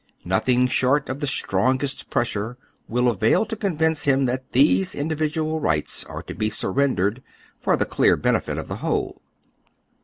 Nothing short of the strongest pressure will avail to convince him that these individual rights are to be surrendered for the clear benefit of the whole.